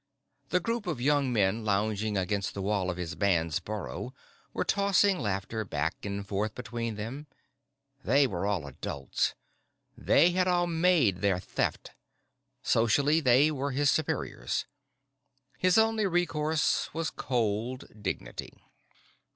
The group of young men lounging against the wall of his band's burrow were tossing laughter back and forth between them. They were all adults: they had all made their Theft. Socially, they were still his superiors. His only recourse was cold dignity.